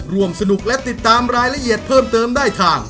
ร่วมสนุกและติดตามรายละเอียดเพิ่มเติมได้ทาง